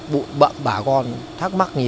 bộ bậc bà con thắc mắc nhiều